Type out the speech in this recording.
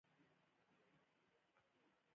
د ستوني درد لپاره شات او لیمو ګډ کړئ